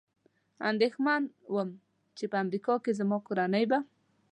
اندېښمن ووم، چې په امریکا کې زما کورنۍ به.